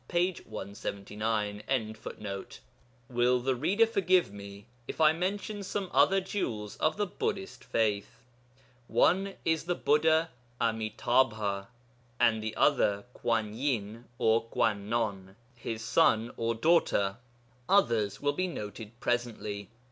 p. 179.] Will the reader forgive me if I mention some other jewels of the Buddhist faith? One is the Buddha Ami'tābha, and the other Kuanyin or Kwannon, his son or daughter; others will be noted presently.